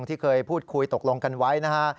ที่เคยพูดคุยตกลงกันไว้นะฮะ